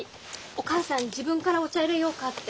お母さん自分から「お茶いれようか」って。